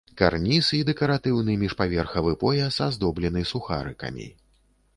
Карніз і дэкаратыўны міжпаверхавы пояс аздоблены сухарыкамі.